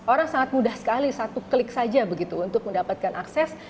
orang sangat mudah sekali satu klik saja begitu untuk mendapatkan akses